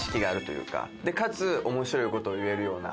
かつ面白い事を言えるような。